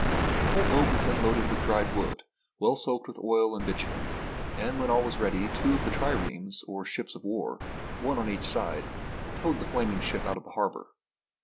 The whole boat was then loaded with dried wood well soaked with oil and bitumen, and when all was ready, two of the triremes, or ships of war, one on each side, towed the flaming ship out of the harbour.